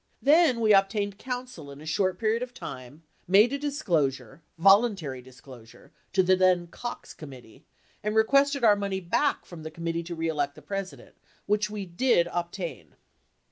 Then we obtained counsel in a short period of time, made a disclosure, voluntary disclosure, to the then Cox committee, and requested our money back from the Committee To Re Elect the President, which we did obtain.